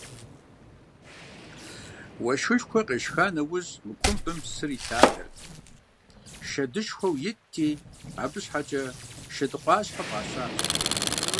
Уэшхышхуэ къешха нэужь мы кумбым псыр илъадэрт, шэдышхуэу итти, абы щхьэкӏэ «Шэдыкъуащхьэ» фӏащащ.